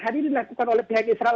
hal ini dilakukan oleh pihak israel